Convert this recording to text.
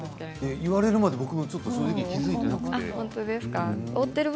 言われるまで正直、気付いていなくて。